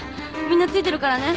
みんなついてるからね。